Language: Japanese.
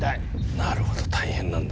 なるほど大変なんだ。